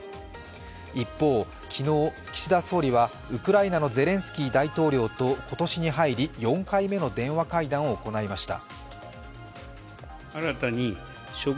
一方、昨日、岸田総理はウクライナのゼレンスキー大統領と今年に入り４回目の電話会談を行いました。